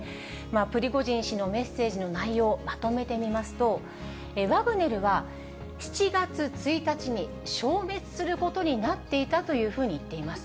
プリゴジン氏のメッセージの内容、まとめてみますと、ワグネルは７月１日に消滅することになっていたというふうに言っています。